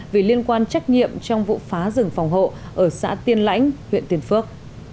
vì liên quan trách nhiệm trong vụ phá rừng phòng hộ ở xã tiên lãnh huyện tiên phước